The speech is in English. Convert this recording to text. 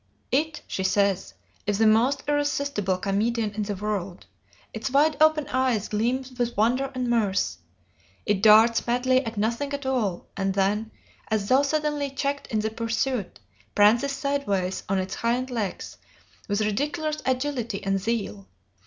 It, she says, "is the most irresistible comedian in the world. Its wide open eyes gleam with wonder and mirth. It darts madly at nothing at all, and then, as though suddenly checked in the pursuit, prances sideways on its hind legs with ridiculous agility and zeal.